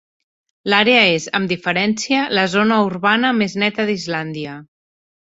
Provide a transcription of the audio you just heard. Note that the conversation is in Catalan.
L'àrea és, amb diferència, la zona urbana més neta d'Islàndia.